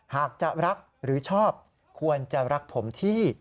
หากจะรักหรือชอบควรจะรักผมที่